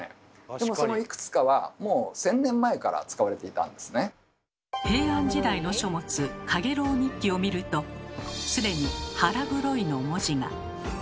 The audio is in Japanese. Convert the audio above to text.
でもそのいくつかはもう平安時代の書物「蜻蛉日記」を見るとすでに「腹黒い」の文字が。